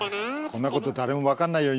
こんなこと誰も分かんないよ